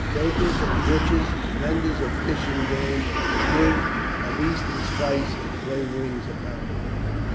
Bakers and butchers, vendors of fish and game, of fruit, of Eastern spices and flavourings abounded.